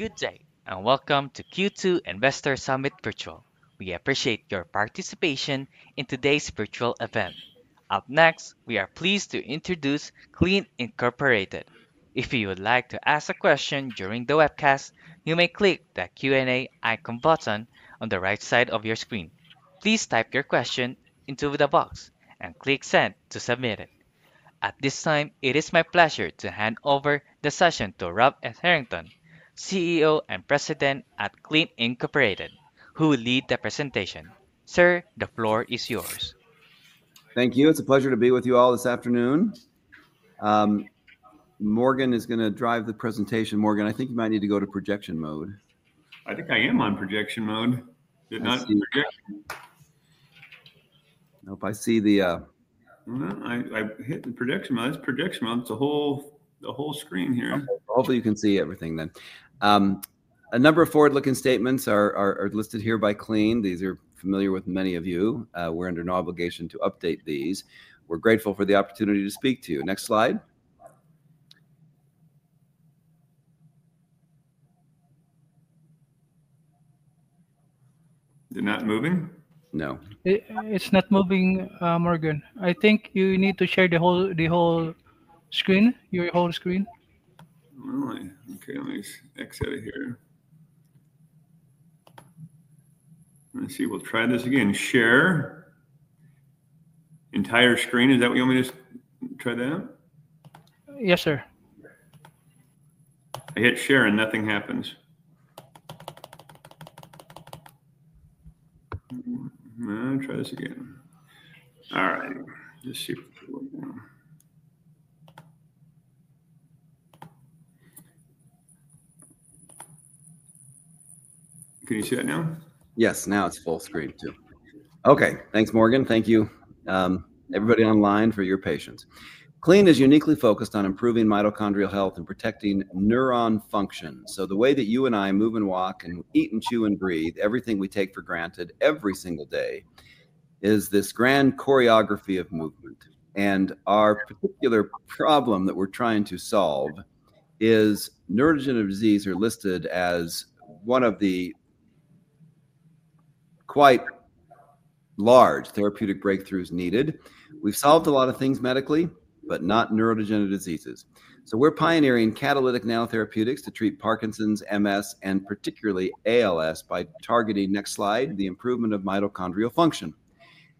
Good day, and welcome to Q2 Investor Summit Virtual. We appreciate your participation in today's virtual event. Up next, we are pleased to introduce Clene Incorporated. If you would like to ask a question during the webcast, you may click the Q&A icon button on the right side of your screen. Please type your question into the box and click Send to submit it. At this time, it is my pleasure to hand over the session to Rob Etherington, CEO and President at Clene Incorporated, who will lead the presentation. Sir, the floor is yours. Thank you. It's a pleasure to be with you all this afternoon. Morgan is going to drive the presentation. Morgan, I think you might need to go to projection mode. I think I am on projection mode. Did not see projection. Nope, I see the. I hit the projection mode. It's projection mode. It's the whole screen here. Hopefully, you can see everything then. A number of forward-looking statements are listed here by Clene. These are familiar with many of you. We're under no obligation to update these. We're grateful for the opportunity to speak to you. Next slide. They're not moving. No. It's not moving, Morgan. I think you need to share the whole screen, your whole screen. Really? OK, let me exit it here. Let's see. We'll try this again. Share entire screen. Is that what you want me to try that? Yes, sir. I hit Share, and nothing happens. Try this again. All right. Let's see if it's working. Can you see that now? Yes, now it's full screen too. OK, thanks, Morgan. Thank you, everybody online, for your patience. Clene is uniquely focused on improving mitochondrial health and protecting neuron function. The way that you and I move and walk and eat and chew and breathe, everything we take for granted every single day is this grand choreography of movement. Our particular problem that we're trying to solve is neurodegenerative disease is listed as one of the quite large therapeutic breakthroughs needed. We've solved a lot of things medically, but not neurodegenerative diseases. We're pioneering catalytic nanotherapeutics to treat Parkinson's, MS, and particularly ALS by targeting, next slide, the improvement of mitochondrial function.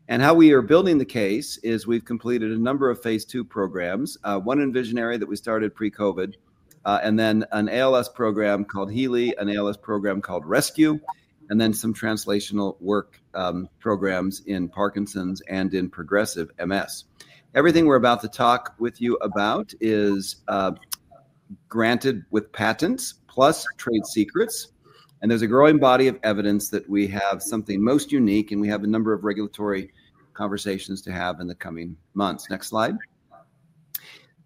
How we are building the case is we've completed a number of phase two programs, one in Visionary that we started pre-COVID, and then an ALS program called HEALEY, an ALS program called RESCUE, and then some translational work programs in Parkinson's and in progressive MS. Everything we're about to talk with you about is granted with patents plus trade secrets. There's a growing body of evidence that we have something most unique, and we have a number of regulatory conversations to have in the coming months. Next slide.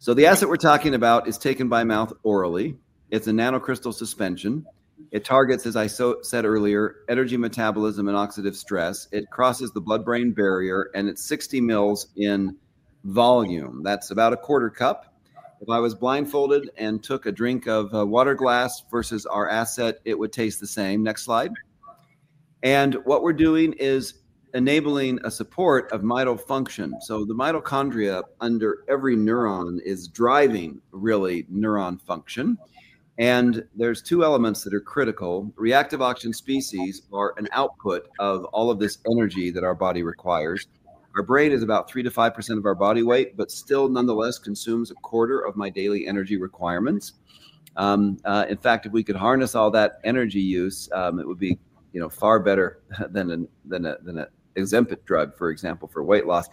The asset we're talking about is taken by mouth orally. It's a nanocrystal suspension. It targets, as I said earlier, energy metabolism and oxidative stress. It crosses the blood-brain barrier, and it's 60 mls in volume. That's about a quarter cup. If I was blindfolded and took a drink of a water glass versus our asset, it would taste the same. Next slide. What we're doing is enabling a support of mito function. The mitochondria under every neuron is driving, really, neuron function. There are two elements that are critical. Reactive oxygen species are an output of all of this energy that our body requires. Our brain is about 3%-5% of our body weight, but still, nonetheless, consumes a quarter of my daily energy requirements. In fact, if we could harness all that energy use, it would be far better than an exempit drug, for example, for weight loss.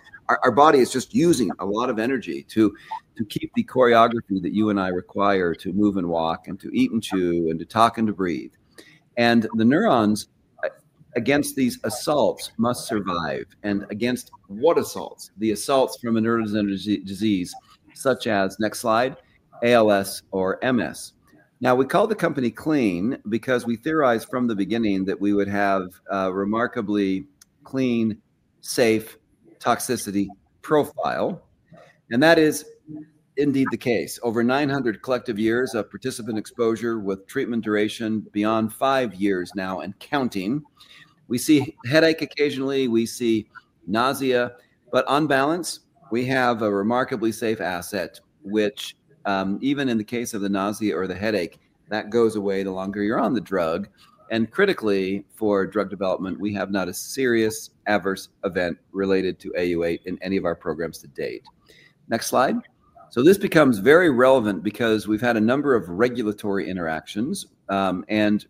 Our body is just using a lot of energy to keep the choreography that you and I require to move and walk and to eat and chew and to talk and to breathe. The neurons, against these assaults, must survive. Against what assaults? The assaults from a neurodegenerative disease such as, next slide, ALS or MS. We call the company Clene because we theorized from the beginning that we would have a remarkably Clene, safe toxicity profile. That is indeed the case. Over 900 collective years of participant exposure with treatment duration beyond five years now and counting. We see headache occasionally. We see nausea. On balance, we have a remarkably safe asset, which, even in the case of the nausea or the headache, goes away the longer you're on the drug. Critically, for drug development, we have not a serious adverse event related to Au8 in any of our programs to date. Next slide. This becomes very relevant because we've had a number of regulatory interactions.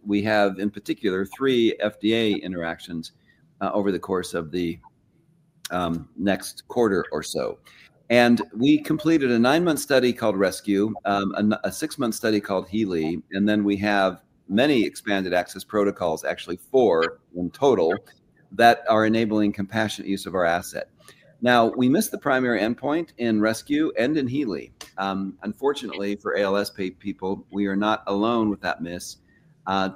We have, in particular, three FDA interactions over the course of the next quarter or so. We completed a nine-month study called RESCUE, a six-month study called HEALEY. We have many expanded access protocols, actually four in total, that are enabling compassionate use of our asset. We missed the primary endpoint in RESCUE and in HEALEY. Unfortunately, for ALS-paid people, we are not alone with that miss.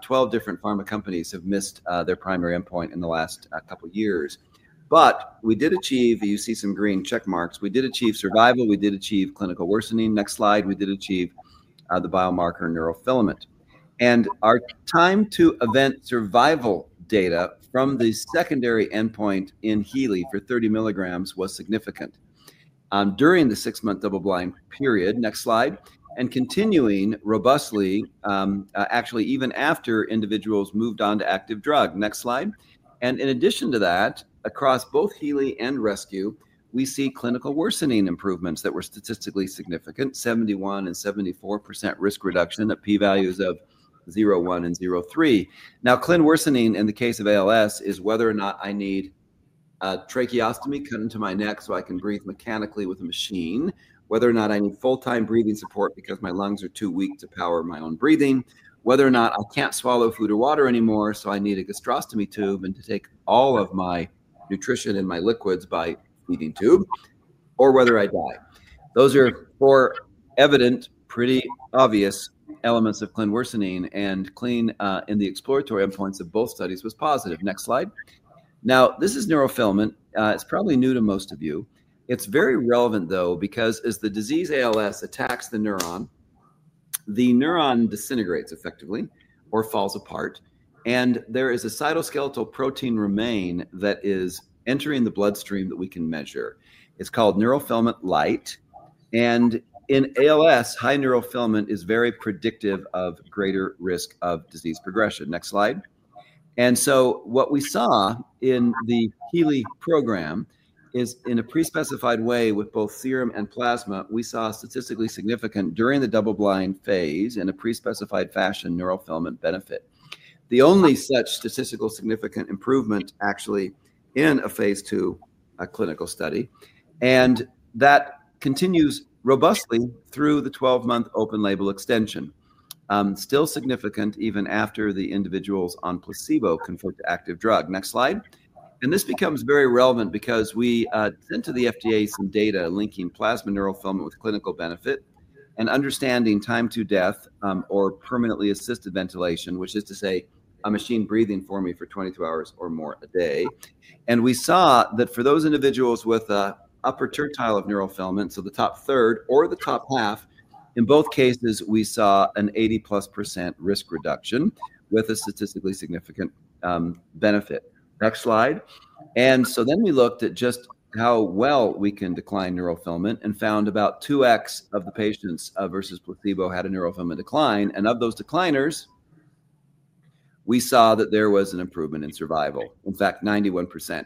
20 different pharma companies have missed their primary endpoint in the last couple of years. We did achieve, you see some green check marks, we did achieve survival. We did achieve clinical worsening. Next slide. We did achieve the biomarker neurofilament. Our time to event survival data from the secondary endpoint in HEALEY for 30 mgs was significant during the six-month double-blind period. Next slide. Continuing robustly, actually even after individuals moved on to active drug. Next slide. In addition to that, across both HEALEY and RESCUE, we see clinical worsening improvements that were statistically significant, 71% and 74% risk reduction at p-values of 0.1 and 0.3. Now, Clene worsening in the case of ALS is whether or not I need a tracheostomy cut into my neck so I can breathe mechanically with a machine, whether or not I need full-time breathing support because my lungs are too weak to power my own breathing, whether or not I cannot swallow food or water anymore so I need a gastrostomy tube and to take all of my nutrition and my liquids by feeding tube, or whether I die. Those are four evident, pretty obvious elements of Clene worsening. Clean, in the exploratory influence of both studies, was positive. Next slide. Now, this is neurofilament. It's probably new to most of you. It's very relevant, though, because as the disease ALS attacks the neuron, the neuron disintegrates effectively or falls apart. And there is a cytoskeletal protein remain that is entering the bloodstream that we can measure. It's called neurofilament light. In ALS, high neurofilament is very predictive of greater risk of disease progression. Next slide. What we saw in the HEALEY program is, in a pre-specified way with both serum and plasma, we saw statistically significant during the double-blind phase in a pre-specified fashion neurofilament benefit. The only such statistically significant improvement, actually, in a phase II clinical study. That continues robustly through the 12-month open-label extension, still significant even after the individuals on placebo convert to active drug. Next slide. This becomes very relevant because we sent to the FDA some data linking plasma neurofilament with clinical benefit and understanding time to death or permanently assisted ventilation, which is to say a machine breathing for me for 22 hours or more a day. We saw that for those individuals with the upper tertile of neurofilament, so the top third or the top half, in both cases, we saw an 80% plus risk reduction with a statistically significant benefit. Next slide. We looked at just how well we can decline neurofilament and found about 2x of the patients versus placebo had a neurofilament decline. Of those decliners, we saw that there was an improvement in survival, in fact, 91%.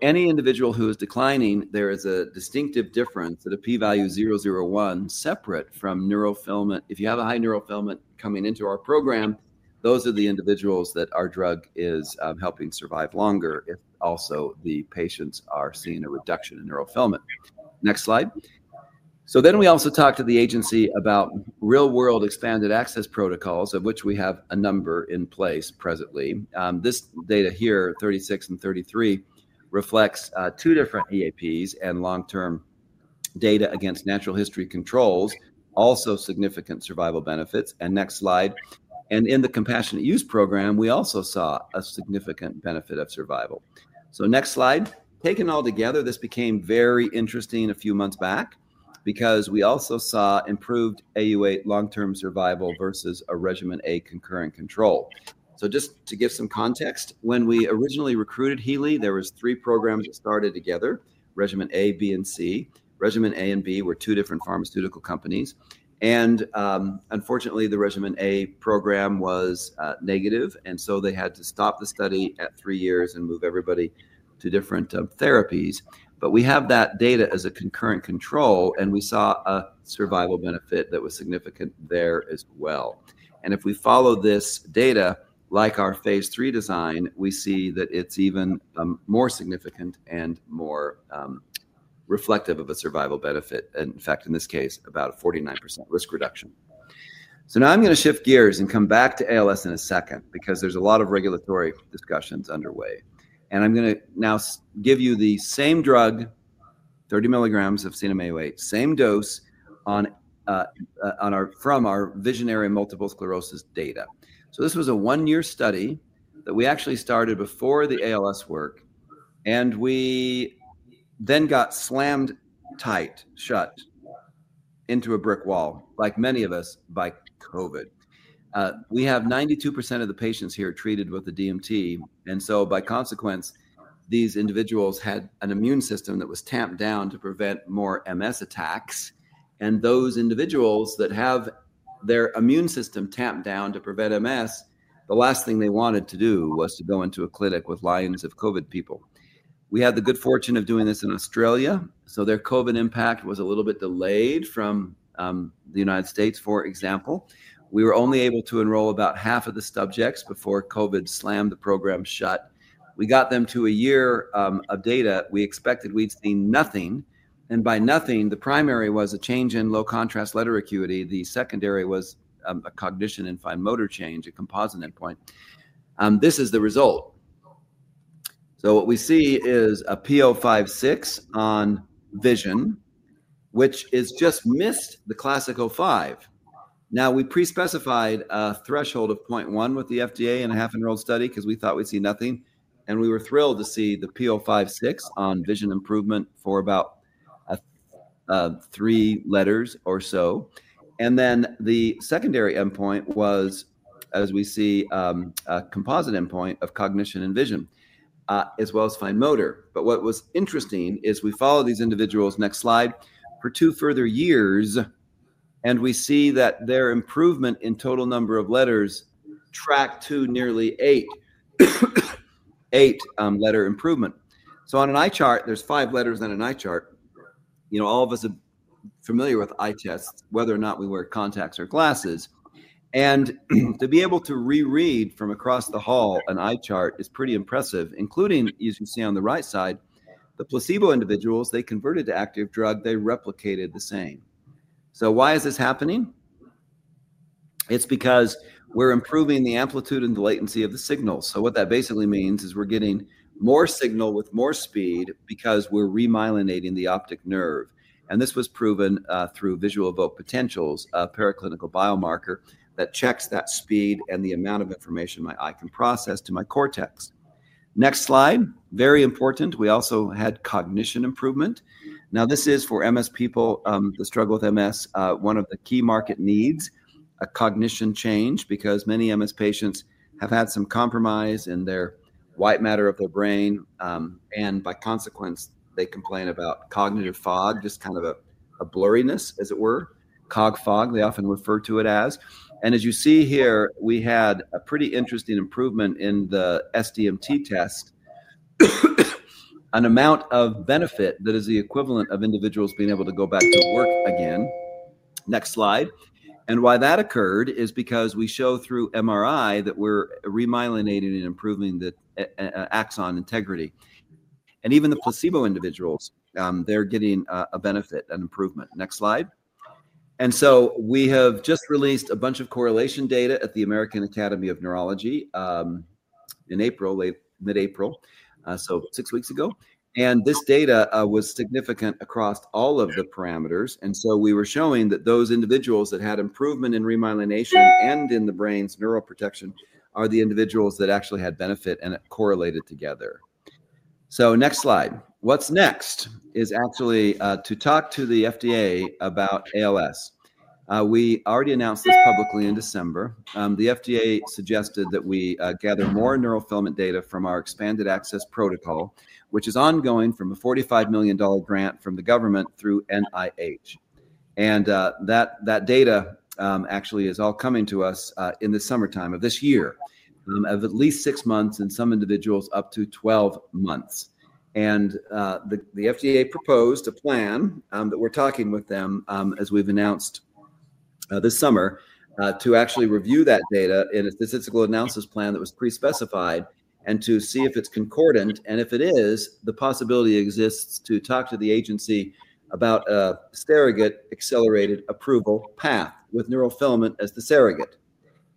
Any individual who is declining, there is a distinctive difference at a p-value 0.01 separate from neurofilament. If you have a high neurofilament coming into our program, those are the individuals that our drug is helping survive longer if also the patients are seeing a reduction in neurofilament. Next slide. We also talked to the agency about real-world expanded access protocols, of which we have a number in place presently. This data here, 36 and 33, reflects two different EAPs and long-term data against natural history controls, also significant survival benefits. Next slide. In the compassionate use program, we also saw a significant benefit of survival. Next slide. Taken all together, this became very interesting a few months back because we also saw improved AUA long-term survival versus a Regimen A concurrent control. Just to give some context, when we originally recruited Healy, there were three programs that started together, Regimen A, B, and C. Regimen A and B were two different pharmaceutical companies. Unfortunately, the Regimen A program was negative. They had to stop the study at three years and move everybody to different therapies. We have that data as a concurrent control. We saw a survival benefit that was significant there as well. If we follow this data, like our phase three design, we see that it's even more significant and more reflective of a survival benefit, in fact, in this case, about a 49% risk reduction. Now I'm going to shift gears and come back to ALS in a second because there's a lot of regulatory discussions underway. I'm going to now give you the same drug, 30 mgs of CNM-Au8, same dose from our Visionary multiple sclerosis data. This was a one-year study that we actually started before the ALS work. We then got slammed tight, shut into a brick wall, like many of us, by COVID. We have 92% of the patients here treated with the DMT. By consequence, these individuals had an immune system that was tamped down to prevent more MS attacks. Those individuals that have their immune system tamped down to prevent MS, the last thing they wanted to do was to go into a clinic with lines of COVID people. We had the good fortune of doing this in Australia. Their COVID impact was a little bit delayed from the United States, for example. We were only able to enroll about half of the subjects before COVID slammed the program shut. We got them to a year of data. We expected we'd see nothing. By nothing, the primary was a change in low contrast letter acuity. The secondary was a cognition and fine motor change, a composite endpoint. This is the result. What we see is a P=0.56 on vision, which has just missed the classic 0.5. We pre-specified a threshold of 0.1 with the FDA in a half-enrolled study because we thought we'd see nothing. We were thrilled to see the P=0.56 on vision improvement for about three letters or so. The secondary endpoint was, as we see, a composite endpoint of cognition and vision, as well as fine motor. What was interesting is we followed these individuals, next slide, for two further years. We see that their improvement in total number of letters tracked to nearly eight letter improvement. On an eye chart, there are five letters on an eye chart. All of us are familiar with eye tests, whether or not we wear contacts or glasses. To be able to reread from across the hall an eye chart is pretty impressive, including, as you can see on the right side, the placebo individuals. They converted to active drug. They replicated the same. Why is this happening? It's because we're improving the amplitude and the latency of the signal. What that basically means is we're getting more signal with more speed because we're remyelinating the optic nerve. This was proven through visual evoked potentials, a paraclinical biomarker that checks that speed and the amount of information my eye can process to my cortex. Next slide. Very important. We also had cognition improvement. This is for MS people that struggle with MS, one of the key market needs, a cognition change, because many MS patients have had some compromise in their white matter of their brain. By consequence, they complain about cognitive fog, just kind of a blurriness, as it were, cog fog, they often refer to it as. As you see here, we had a pretty interesting improvement in the SDMT test, an amount of benefit that is the equivalent of individuals being able to go back to work again. Next slide. That occurred because we show through MRI that we are remyelinating and improving the axon integrity. Even the placebo individuals, they are getting a benefit, an improvement. Next slide. We have just released a bunch of correlation data at the American Academy of Neurology in April, mid-April, so six weeks ago. This data was significant across all of the parameters. We were showing that those individuals that had improvement in remyelination and in the brain's neural protection are the individuals that actually had benefit and it correlated together. Next slide. What's next is actually to talk to the FDA about ALS. We already announced this publicly in December. The FDA suggested that we gather more neurofilament data from our expanded access protocol, which is ongoing from a $45 million grant from the government through NIH. That data actually is all coming to us in the summertime of this year, of at least six months and some individuals up to 12 months. The FDA proposed a plan that we're talking with them as we've announced this summer to actually review that data in a statistical analysis plan that was pre-specified and to see if it's concordant. If it is, the possibility exists to talk to the agency about a surrogate accelerated approval path with neurofilament as the surrogate.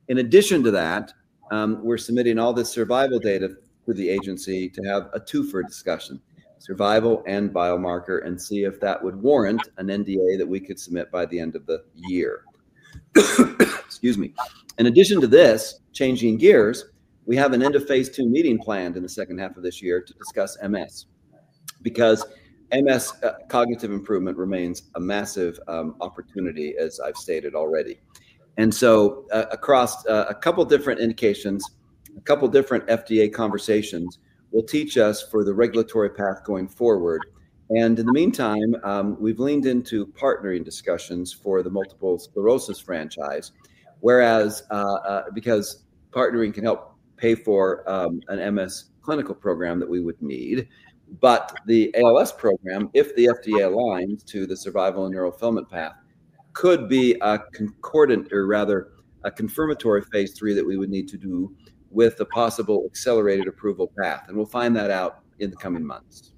In addition to that, we're submitting all this survival data to the agency to have a twofer discussion, survival and biomarker, and see if that would warrant an NDA that we could submit by the end of the year. Excuse me. In addition to this, changing gears, we have an end of phase II meeting planned in the second half of this year to discuss MS because MS cognitive improvement remains a massive opportunity, as I've stated already. Across a couple of different indications, a couple of different FDA conversations will teach us for the regulatory path going forward. In the meantime, we've leaned into partnering discussions for the multiple sclerosis franchise, whereas because partnering can help pay for an MS clinical program that we would need. The ALS program, if the FDA aligns to the survival and neurofilament path, could be a concordant or rather a confirmatory phase three that we would need to do with a possible accelerated approval path. We'll find that out in the coming months.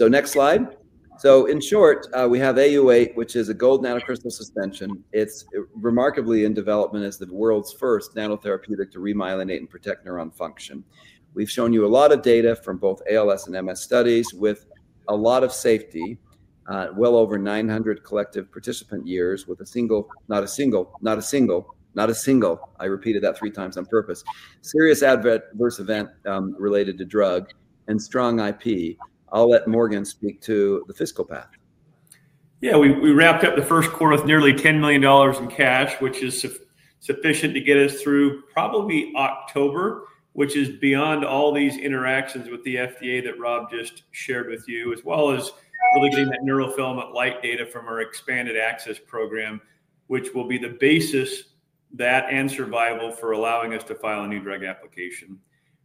Next slide. In short, we have Au8, which is a gold nanocrystal suspension. It's remarkably in development as the world's first nanotherapeutic to remyelinate and protect neuron function. We've shown you a lot of data from both ALS and MS studies with a lot of safety, well over 900 collective participant years with a single, not a single, not a single, not a single. I repeated that three times on purpose. Serious adverse event related to drug and strong IP. I'll let Morgan speak to the fiscal path. Yeah. We wrapped up the first quarter with nearly $10 million in cash, which is sufficient to get us through probably October, which is beyond all these interactions with the FDA that Rob just shared with you, as well as really getting that neurofilament light data from our expanded access program, which will be the basis, that and survival, for allowing us to file a new drug application.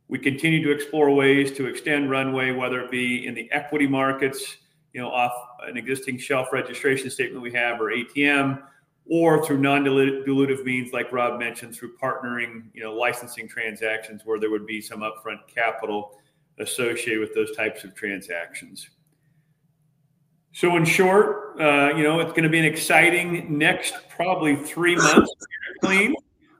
We continue to explore ways to extend runway, whether it be in the equity markets, off an existing shelf registration statement we have or ATM, or through non-dilutive means like Rob mentioned, through partnering licensing transactions where there would be some upfront capital associated with those types of transactions. In short, it's going to be an exciting next probably three months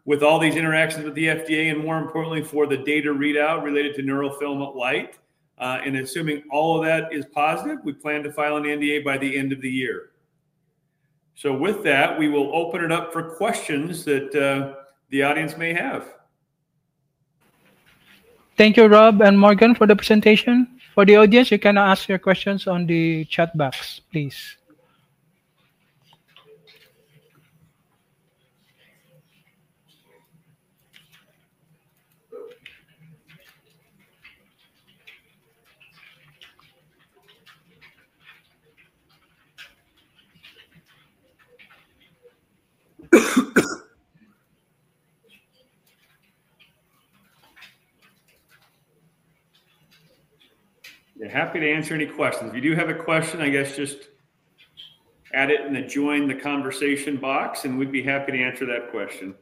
with all these interactions with the FDA and more importantly for the data readout related to neurofilament light. Assuming all of that is positive, we plan to file an NDA by the end of the year. With that, we will open it up for questions that the audience may have. Thank you, Rob and Morgan, for the presentation. For the audience, you can ask your questions on the chat box, please. They're happy to answer any questions. If you do have a question, I guess just add it in the join the conversation box, and we'd be happy to answer that question.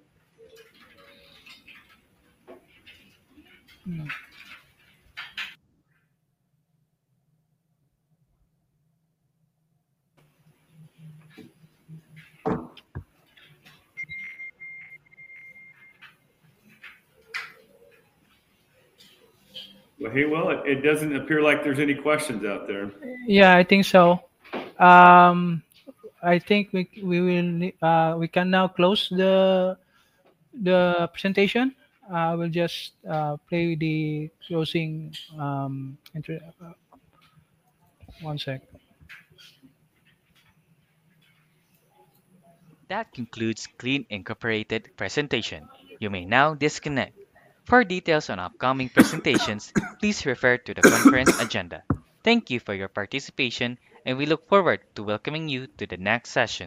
It doesn't appear like there's any questions out there. Yeah, I think so. I think we can now close the presentation. I will just play the closing one sec. That concludes Clene Incorporated's presentation. You may now disconnect. For details on upcoming presentations, please refer to the conference agenda. Thank you for your participation, and we look forward to welcoming you to the next session.